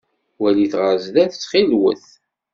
Walit ɣer zdat ttxil-wet!